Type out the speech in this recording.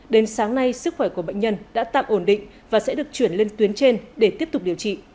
đến sáng nay sức khỏe của bệnh nhân đã tạm ổn định và sẽ được chuyển lên tuyến trên để tiếp tục điều trị